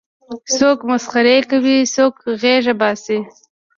څوک مسخرې کوي څوک غېږه باسي.